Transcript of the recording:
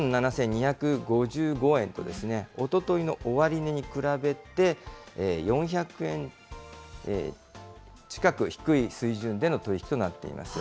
２万７２５５円と、おとといの終値に比べて、４００円近く低い水準での取り引きとなっています。